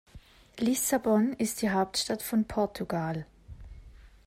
Lissabon ist die Hauptstadt von Portugal.